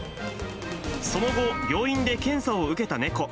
その後、病院で検査を受けた猫。